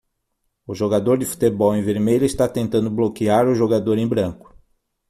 O jogador de futebol em vermelho está tentando bloquear o jogador em branco.